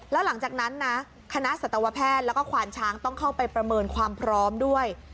แล้วหลังจากนั้นนะคณะสัตวแพทย์แล้วก็ควานช้างต้องเข้าไปประเมินความพร้อมด้วย